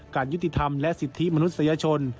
การยุติธรรมและสิทธิมนุษยชน